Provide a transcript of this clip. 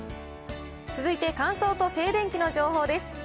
続いて乾燥と静電気の情報です。